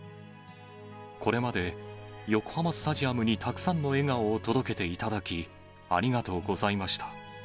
これまで横浜スタジアムにたくさんの笑顔を届けていただき、ありがとうございました。